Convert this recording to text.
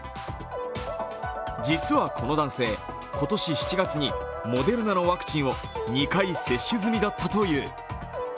実はこの男性、今年７月にモデルナのワクチンを２回接種済みだったという。